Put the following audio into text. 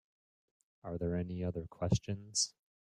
Are there any other questions?